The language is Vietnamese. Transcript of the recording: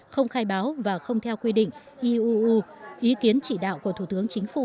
không khai báo và không theo quy định iuu ý kiến chỉ đạo của thủ tướng chính phủ